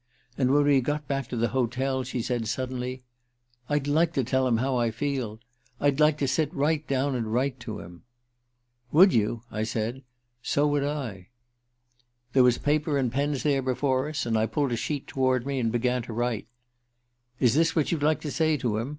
And when we got back to the hotel she said suddenly: 'I'd like to tell him how I feel. I'd like to sit right down and write to him.' "'Would you?' I said. 'So would I.' "There was paper and pens there before us, and I pulled a sheet toward me, and began to write. 'Is this what you'd like to say to him?